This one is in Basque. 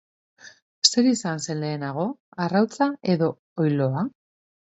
Zer izan zen lehenago arrautza edo oiloa?